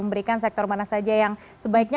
memberikan sektor mana saja yang sebaiknya